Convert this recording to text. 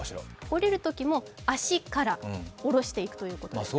下りるときも足から下ろしていくということです。